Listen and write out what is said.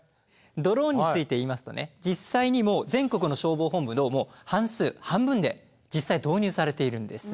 ドローンについて言いますとね実際にもう全国の消防本部の半数半分で実際導入されているんです。